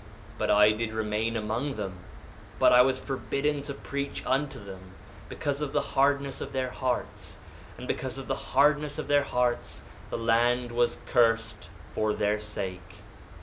1:17 But I did remain among them, but I was forbidden to preach unto them, because of the hardness of their hearts; and because of the hardness of their hearts the land was cursed for their sake.